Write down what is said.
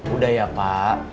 udah ya pak